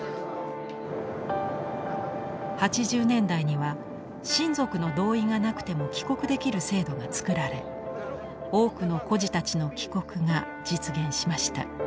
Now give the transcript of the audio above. ８０年代には親族の同意がなくても帰国できる制度が作られ多くの孤児たちの帰国が実現しました。